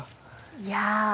いや。